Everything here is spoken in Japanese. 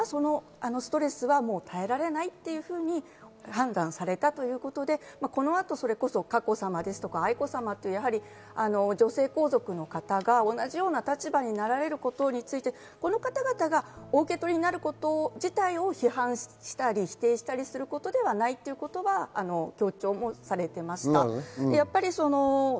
そのストレスに、もう耐えられないと判断されたということで、この後、佳子さまや愛子さま、女性皇族の方が同じような立場になられることについて、この方々がお受け取りになること自体を批判したり否定したりすることではないということは強調もされていました。